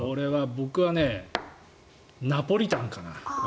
僕はナポリタンかな。